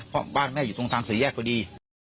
เพราะบ้านแม่อยู่ตรงทางสี่แยกพอดี